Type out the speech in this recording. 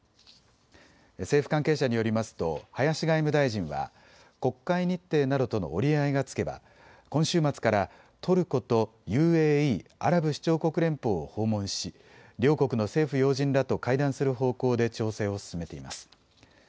政府関係者によりますと林外務大臣は国会日程などとの折り合いがつけば今週末からトルコとＵＡＥ・アラブ首長国連邦を訪問し両国の政府要人らと会談する方向で調整を進めています。